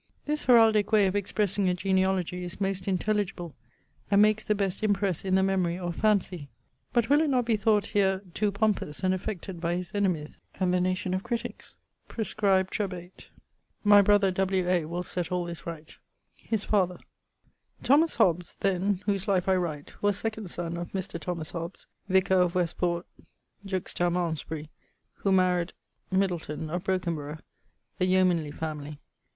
This heraldique way of expressing a genealogie is most intelligible and makes the best impresse in the memory or fancy; but will it not be thought here to pompous and affected by his enemies and the nation of critiques? Prescribe Trebate. My brother W. A. will set all this right[FF]. <_His father._> Thomas Hobbes[FG], then, whose life I write, was second son of Mr. Thomas Hobbes, vicar of Westport juxta Malmesbury, who maried ... Middleton of Brokinborough (a yeomanly family).